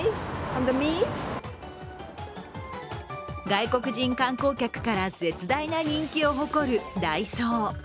外国人観光客から絶大な人気を誇るダイソー。